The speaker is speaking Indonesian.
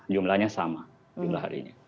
jumlahnya sama jumlah harinya